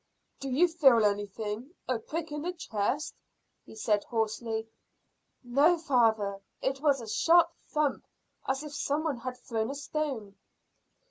"Do you feel anything a prick in the chest?" he said hoarsely. "No, father. It was a sharp thump, as if some one had thrown a stone."